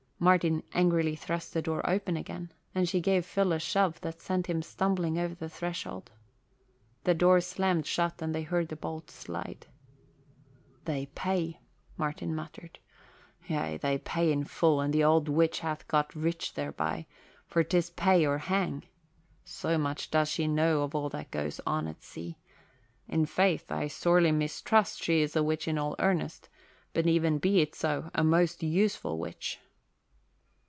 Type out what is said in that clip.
Martin angrily thrust the door open again and she gave Phil a shove that sent him stumbling over the threshold. The door slammed shut and they heard the bolt slide. "They pay," Martin muttered. "Yea, they pay in full and the old witch hath got rich thereby, for 'tis pay or hang. So much does she know of all that goes on at sea! In faith, I sorely mistrust she is a witch in all earnest; but even be it so, a most useful witch."